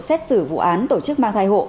xét xử vụ án tổ chức mang thai hộ